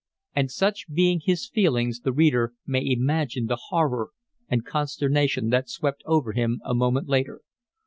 And such being his feelings, the reader may imagine the horror and consternation that swept over him a moment later.